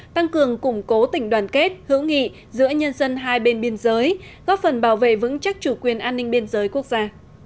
tăng cường củng cố tình đoàn kết hữu nghị giữa nhân dân hai bên biên giới góp phần bảo vệ vững chắc chủ quyền an ninh biên giới quốc gia